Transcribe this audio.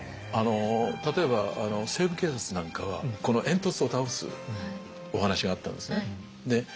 例えば「西部警察」なんかは煙突を倒すお話があったんですね。